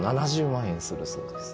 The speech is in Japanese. ７０万円だそうです。